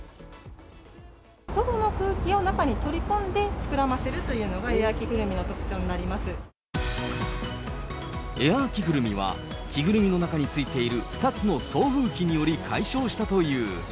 外の空気を中に取り込んで膨らませるというのが、エアー着ぐるみは、着ぐるみの中に付いている２つの送風機により解消したという。